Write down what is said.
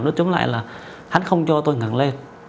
nói chung lại là hắn không cho tôi ngẩn lên